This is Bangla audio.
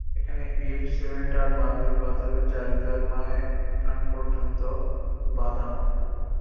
এখানে ইট-সিমেন্ট আর মার্বেল পাথরে চারিধার মায় উঠান পর্যন্ত বাঁধানো।